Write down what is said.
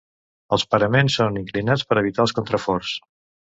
Els paraments són inclinats per evitar els contraforts.